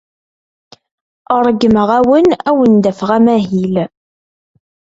Ṛeggmeɣ-awen ad awen-d-afeɣ amahil.